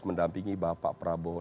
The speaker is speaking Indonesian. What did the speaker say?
mendampingi bapak prabowo